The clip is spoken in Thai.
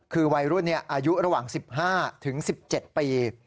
คือวัยรุ่นอายุระหว่าง๑๕๑๗ปี